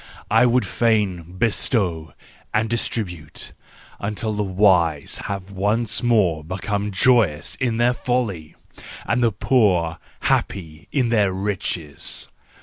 I would fain bestow and distribute, until the wise have once more become joyous in their folly, and the poor happy in their riches.